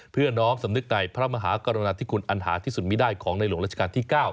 เพื่อน้อมสำนึกในพระมหากรณาธิคุณอันหาที่สุดมีได้ของในหลวงราชการที่๙